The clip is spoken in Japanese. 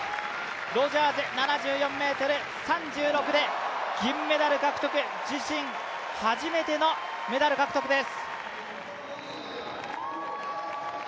ロジャーズ７４ｍ３６で銀メダル獲得、自身初めてのメダル獲得です。